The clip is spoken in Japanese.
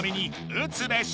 うつべし！